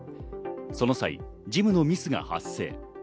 その際、事務のミスが発生。